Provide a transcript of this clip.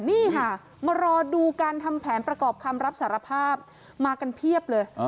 นี่ค่ะมารอดูการทำแผนประกอบคำรับสารภาพมากันเพียบเลย